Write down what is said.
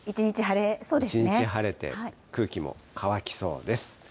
一日晴れて、空気も乾きそうです。